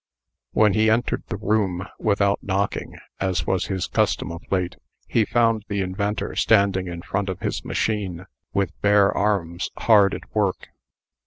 When he entered the room, without knocking (as was his custom of late), he found the inventor standing in front of his machine, with bare arms, hard at work.